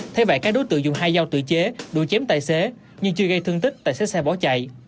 thế vậy các đối tượng dùng hai dao tự chế đuổi chém tài xế nhưng chưa gây thương tích tài xế xe bỏ chạy